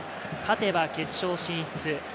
勝てば決勝進出。